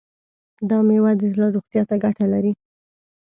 دا میوه د زړه روغتیا ته ګټه لري.